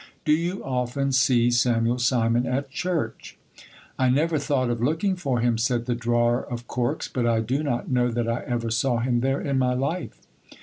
Do you often see Samuel Simon at church ? I never thought of looking for him, said the drawer of corks ; but I do not know that I ever saw him there in my life.